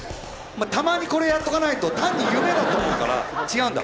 たまにこれやっとかないと単に夢だと思うから違うんだ。